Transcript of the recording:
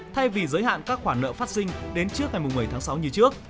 thay vì giới hạn các khoản nợ phát sinh đến trước ngày một mươi tháng sáu như trước